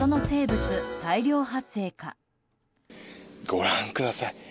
ご覧ください。